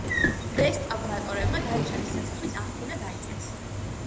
რესტავრატორებმა დარეჯანის სასახლის აღდგენა დაიწყეს